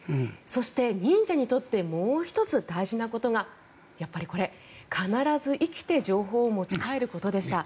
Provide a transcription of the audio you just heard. そして、忍者にとってもう１つ大事なことがやっぱりこれ、必ず生きて情報を持ち帰ることでした。